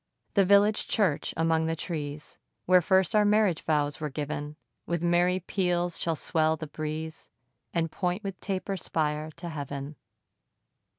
The village church, among the trees, Where first our marriage vows were giv'n, With merry peals shall swell the breeze, And point with taper spire to heav'n.